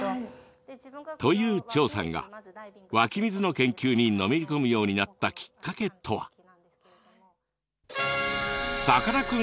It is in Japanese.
という張さんが湧き水の研究にのめり込むようになったきっかけとは？